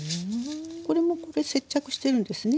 これも接着してるんですね